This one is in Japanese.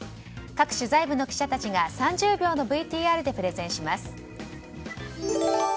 各取材部の記者たちが３０秒のＶＴＲでプレゼンします。